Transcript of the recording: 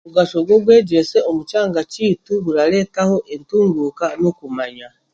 Omugasho gw'obwegyese omu kyanga kyaitu gurareetaho entunguuka n'okumanya